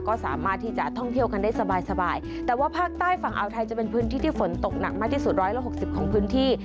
ก็สามารถที่จะท่องเที่ยวกันได้สบายสบายแต่ว่าภาคใต้ฝั่งอาวไทยจะเป็นพื้นที่ที่ฝนตกหนักมากที่สุดร้อยละหกสิบของพื้นที่